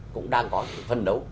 cũng đang còn phải phân đấu